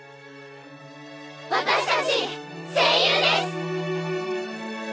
私たち声優です！